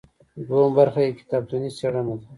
دوهمه برخه یې کتابتوني څیړنه ده.